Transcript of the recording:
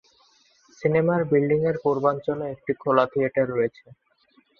সিনেমায় বিল্ডিংয়ের পূর্বাঞ্চলে একটি খোলা থিয়েটার রয়েছে।